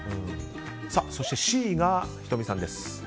そしてＣが仁美さんです。